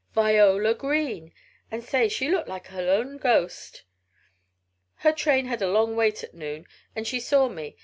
"Viola Green! And say, she looked like her own ghost. Her train had a long wait at noon and she saw me.